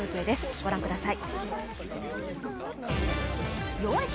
御覧ください。